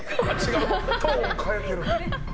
トーンを変えてる。